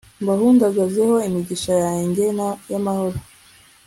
mbahundagazeho imigisha yanjye y'amahoro